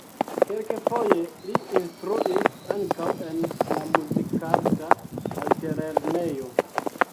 Kelkfoje li instruis ankaŭ en la Muzikarta Altlernejo.